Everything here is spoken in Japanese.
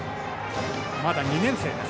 まだ２年生です。